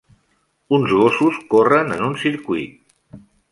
Uns gossos corren en un circuit